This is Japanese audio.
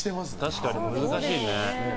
確かに難しいね。